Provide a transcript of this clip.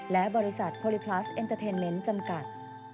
และบริษัทโพลิพลัสเอ็นเตอร์เทนเมนต์จำกัด